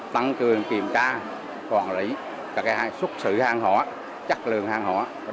tăng cường kiểm tra hoàn lý các cái xuất xứ hàng hóa chất lượng hàng hóa